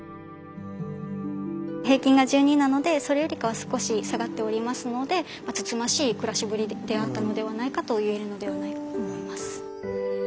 平均が十二なのでそれよりかは少し下がっておりますのでつつましい暮らしぶりであったのではないかといえるのではないかと思います。